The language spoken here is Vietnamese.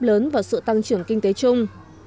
lớn vào sự tăng trưởng kinh tế chung